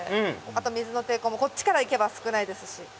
あと水の抵抗もこっちからいけば少ないですし。